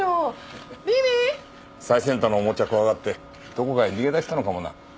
最先端のおもちゃ怖がってどこかへ逃げ出したのかもな。